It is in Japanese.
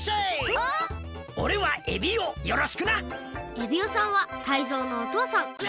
エビオさんはタイゾウのおとうさん。